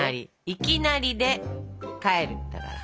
いきなりでかえるだから。